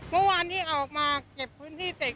เมื่อวานที่เอาออกมาเก็บพื้นที่เสร็จ